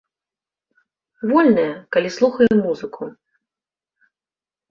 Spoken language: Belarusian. Вольныя, калі слухаем музыку.